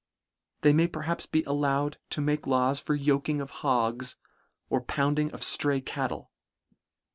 — They may perhaps be allowed to make laws for yoking of hogs, or pounding of ftray cattle.